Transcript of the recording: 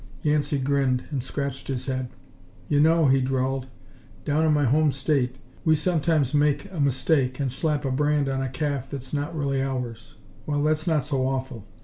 Yancey grinned and scratched his head. "You know," he drawled, "down in my home state, we sometimes make a mistake and slap a brand on a calf that's not really ours. Well, that's not so awful.